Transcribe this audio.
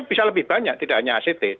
bisa lebih banyak tidak hanya act